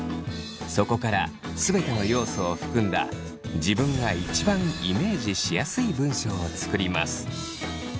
そこから全ての要素を含んだ自分が一番イメージしやすい文章を作ります。